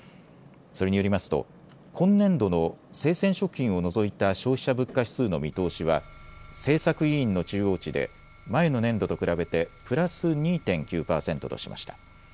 それによりますと今年度の生鮮食品を除いた消費者物価指数の見通しは政策委員の中央値で前の年度と比べてプラス２．９％としました。